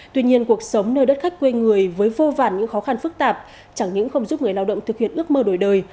tuy nhiên cuộc sống nơi đất khách quê người với vô vàn những khó khăn phức tạp chẳng những không giúp người lao động thực hiện ước mơ đổi đời